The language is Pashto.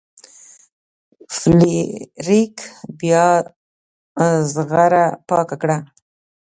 فلیریک بیا زغره پاکه کړه.